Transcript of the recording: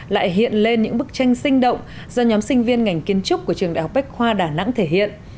lại hiện lên những bức tranh sinh động do nhóm sinh viên ngành kiến trúc của trường đại học bách khoa đà nẵng thể hiện